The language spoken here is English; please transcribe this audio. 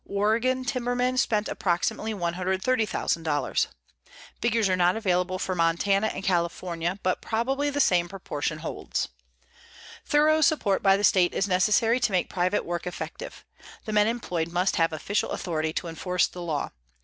Oregon timbermen spent approximately $130,000. Figures are not available for Montana and California, but probably the same proportion holds. Thorough support by the state is necessary to make private work effective. The men employed must have official authority to enforce the law.